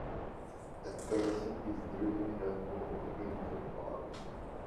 A person is drilling a hole into a bottle.